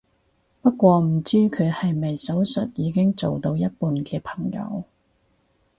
不過唔知佢係咪手術已經做到一半嘅朋友